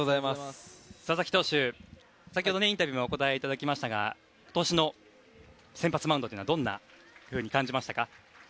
佐々木投手は先ほどインタビューにもお答えいただきましたが今年の先発マウンドはどんなふうに感じましたか？